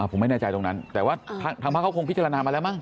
ผมไม่แน่ใจตรงนั้นแต่ว่าทางภาคเขาคงพิจารณามาแล้วมั้